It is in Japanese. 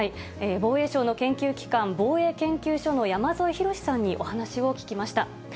防衛省の研究機関、防衛研究所の山添博史さんにお話を聞きました。